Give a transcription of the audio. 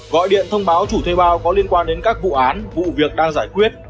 gọi điện thông báo chủ thuê bao có liên quan đến các vụ án vụ việc đang giải quyết